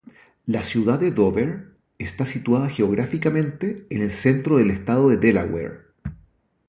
La ciudad de Dover está situada geográficamente en el centro del estado de Delaware.